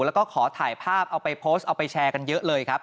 แล้วก็ขอถ่ายภาพเอาไปโพสต์เอาไปแชร์กันเยอะเลยครับ